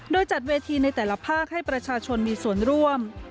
โดยจัดเวทีในแต่ละภาคให้ประชาชนมีส่วนร่วม